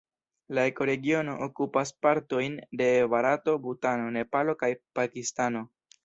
La ekoregiono okupas partojn de Barato, Butano, Nepalo kaj Pakistano.